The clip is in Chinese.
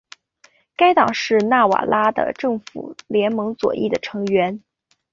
该党是纳瓦拉的政党联盟左翼的成员。